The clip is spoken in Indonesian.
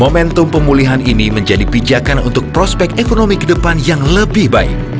momentum pemulihan ini menjadi pijakan untuk prospek ekonomi ke depan yang lebih baik